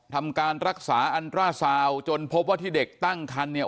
ทำการรักษาอันตราซาวจนพบว่าที่เด็กตั้งคันเนี่ย